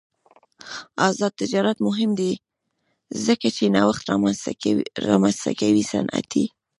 آزاد تجارت مهم دی ځکه چې نوښت رامنځته کوي صنعتي.